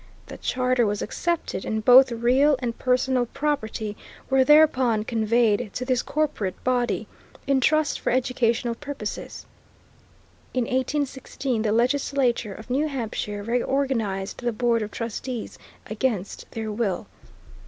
The charter was accepted and both real and personal property were thereupon conveyed to this corporate body, in trust for educational purposes. In 1816 the legislature of New Hampshire reorganized the board of trustees against their will.